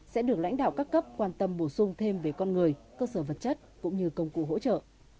sẽ được lãnh đạo các cấp quan tâm bổ sung thêm về con người cơ sở vật chất cũng như công cụ hỗ trợ